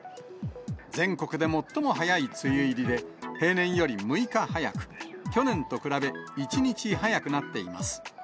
全国で最も早い梅雨入りで、平年より６日早く、去年と比べ１日早くなっています。